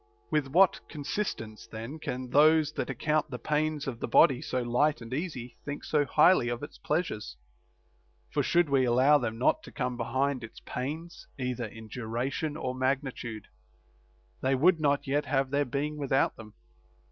With what consistence then can those that account the pains of the body so light and easy think so highly of its pleasures? For should we allow them not to come behind its pains either in duration or magnitude, they would not yet have their being without them.